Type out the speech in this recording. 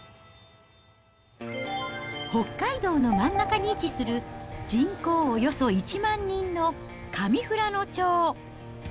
北海道の真ん中に位置する、人口およそ１万人の上富良野町。